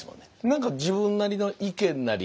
何か自分なりの意見なり